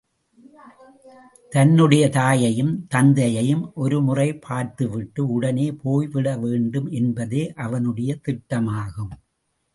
தன்னுடைய தாயையும், தந்தையையும் ஒரு முறைப் பார்த்து விட்டு, உடனே போய் விட வேண்டும் என்பதே அவனுடைய திட்டமாகும்.